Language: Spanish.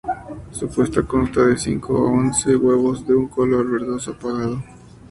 Su puesta consta de de cinco a once huevos, de un color verdoso apagado.